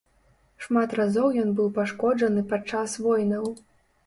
Шмат разоў ён быў пашкоджаны падчас войнаў.